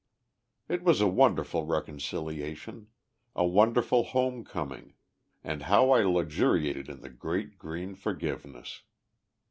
"_ It was a wonderful reconciliation, a wonderful home coming, and how I luxuriated in the great green forgiveness!